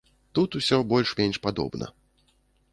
Тут усё больш-менш падобна.